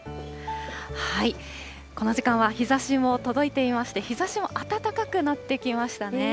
この時間は日ざしも届いていまして、日ざしも暖かくなってきましたね。